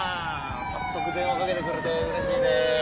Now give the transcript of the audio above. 早速電話かけてくれてうれしいで。